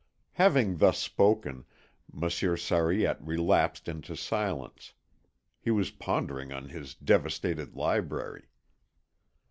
Having thus spoken, Monsieur Sariette relapsed into silence. He was pondering on his devastated library.